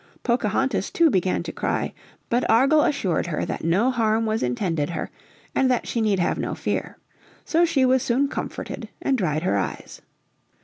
Pocahontas too began to cry. But Argall assured her that no harm was intended her, and that she need have no fear. So she was soon comforted and dried her eyes.